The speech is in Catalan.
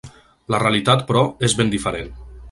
La realitat, però, és ben diferent.